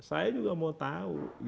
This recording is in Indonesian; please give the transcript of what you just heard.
saya juga mau tahu